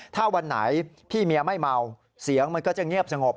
ถ้าวันไหนพี่เมียไม่เมาเสียงมันก็จะเงียบสงบ